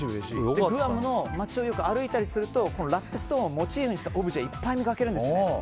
グアムの街を歩いたりするとこのラッテストーンをモチーフにしたオブジェをいっぱい見かけるんです。